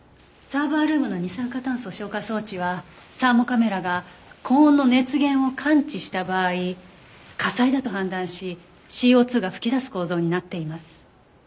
サーバールームの二酸化炭素消火装置はサーモカメラが高温の熱源を感知した場合火災だと判断しＣＯ２が噴き出す構造になっています。